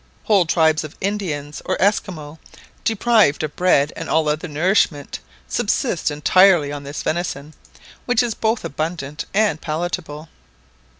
Whole tribes of Indians, or Esquimaux, deprived of bread and all other nourishment, subsist entirely on this venison, which is both abundant and palatable.